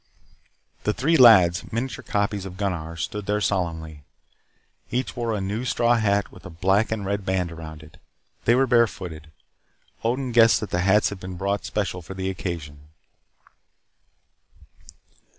The three lads, miniature copies of Gunnar, stood there solemnly. Each wore a new straw hat with a black and red band around it. They were barefooted. Odin guessed that the hats had been bought special for the occasion.